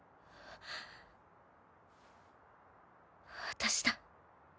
私だ。